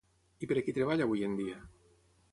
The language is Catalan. I per a qui treballa avui en dia?